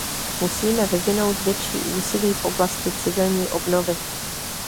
Musíme vyvinout větší úsilí v oblasti civilní obnovy.